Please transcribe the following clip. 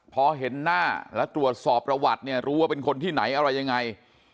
พอเห็นหน้าและตรวจสอบประวัติเนี่ยรู้ว่าเป็นคนที่ไหนอะไรยังไง